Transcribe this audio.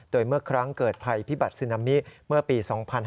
โดยเมื่อครั้งเกิดภัยพิบัตรซึนามิเมื่อปี๒๕๕๙